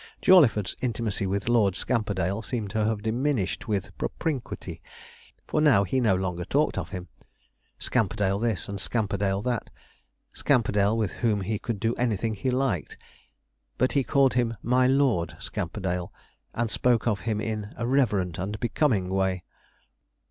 Jawleyford's intimacy with Lord Scamperdale seemed to have diminished with propinquity, for he now no longer talked of him 'Scamperdale this, and Scamperdale that Scamperdale, with whom he could do anything he liked'; but he called him 'My Lord Scamperdale,' and spoke of him in a reverent and becoming way.